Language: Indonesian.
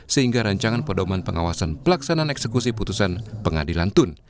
sehingga rancangan pedoman pengawasan pelaksanaan eksekusi putusan pengadilan tun